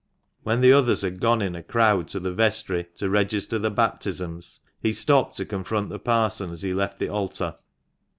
When the others had gone in a crowd to the vestry to register the baptisms, he stopped to confront the parson as he left the altar.